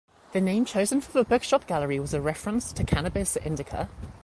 The name chosen for the bookshop-gallery was a reference to Cannabis indica.